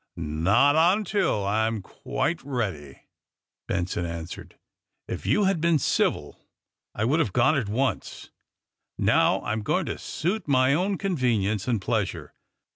^^iSTot until I'm quite ready," Benson an swered. '^If you had been civil I would have gone at once. Now, I'm going to suit my own convenience and pleasure.